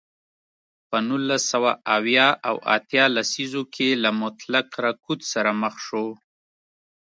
په نولس سوه اویا او اتیا لسیزو کې له مطلق رکود سره مخ شو.